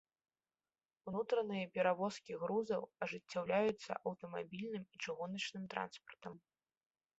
Унутраныя перавозкі грузаў ажыццяўляюцца аўтамабільным і чыгуначным транспартам.